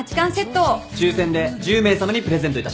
抽選で１０名さまにプレゼントいたします。